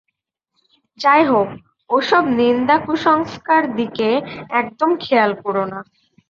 যাই হোক, ওসব নিন্দা-কুৎসার দিকে একদম খেয়াল করো না।